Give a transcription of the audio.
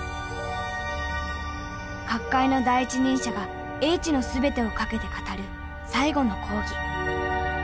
各界の第一人者が叡智の全てをかけて語る最後の講義。